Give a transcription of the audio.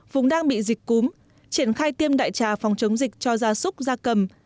vùng đang bị dịch cúm triển khai tiêm đại trà phòng chống dịch cho gia súc gia cầm